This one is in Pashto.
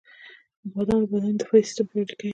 • بادام د بدن د دفاعي سیستم پیاوړی کوي.